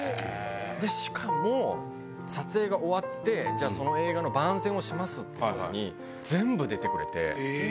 しかも、撮影が終わって、じゃあ、その映画の番宣をしますっていうときに、全部出てくれて。